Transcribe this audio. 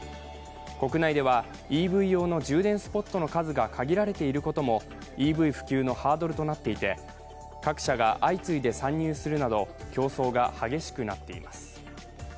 国内ではＥＶ用の充電スポットの数が限られていることもＥＶ普及のハードルとなっていて各社が相次いで参入するなど競争が激しくなっています。